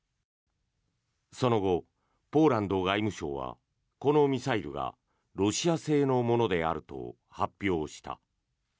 その後、ポーランド外務省はこのミサイルがロシア製のものであると発表した。